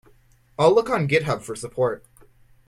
I'll look on Github for support.